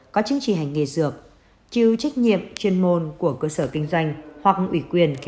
có chứng chỉ hành nghề dược chiêu trách nhiệm chuyên môn của cơ sở kinh doanh